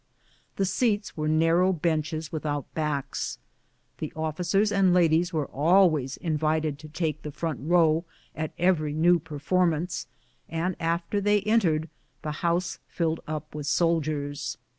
The seats were narrow benches, without backs. The officers and ladies were always invited to take the front row at every new performance, and after they entered, the house filled up with soldiers.